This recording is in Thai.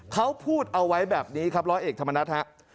เขาพูดเอาไว้แบบนี้ครับร้อยเอกธรรมนัฐฮะ